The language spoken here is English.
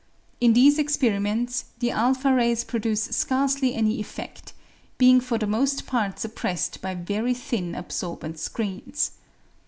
In these experiments the a rays produce bcarccly any effedl, being for the most part suppressed by very thin absorbent screens.